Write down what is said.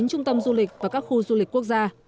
bốn trung tâm du lịch và các khu du lịch quốc gia